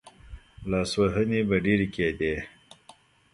لاسوهنې به ډېرې کېدې.